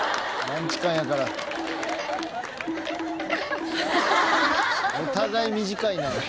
お互い短いな。